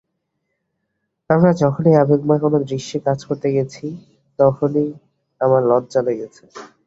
আমরা যখনই আবেগময় কোনো দৃশ্যে কাজ করতে গেছি, তখনই আমার লজ্জা লেগেছে।